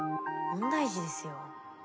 問題児ですよ。